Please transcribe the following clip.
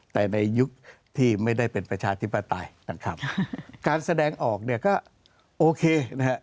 แต่ในยุคที่ไม่ได้เป็นประชาธิปไตยนะครับการแสดงออกเนี่ยก็โอเคนะฮะ